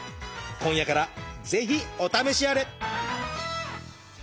今夜からぜひお試しあれ！